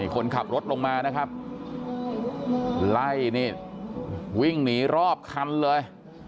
คนขับรถลงมานะครับไล่นี่วิ่งหนีรอบคันเลย